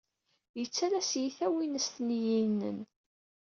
Yettalas-iyi tawinest n yiyenen.